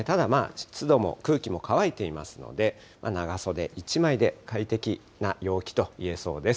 ただまあ、湿度も、空気も乾いてますので、長袖１枚で快適な陽気といえそうです。